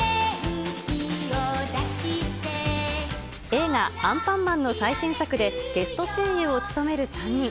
映画、アンパンマンの最新作で、ゲスト声優を務める３人。